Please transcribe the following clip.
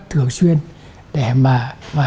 thường xuyên để mà